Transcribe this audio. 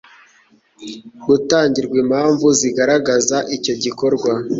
gutangirwa impamvu zigaragaza icyo gikorwa